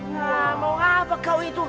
nah mau apa kau itu